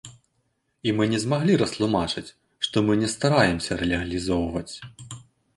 І мы не змаглі растлумачыць, што мы не стараемся легалізоўваць.